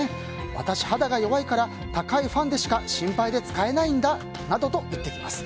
私、肌が弱いから高いファンデしか心配で使えないんだなどと言ってきます。